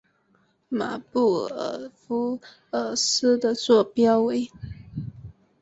马布尔福尔斯的座标为。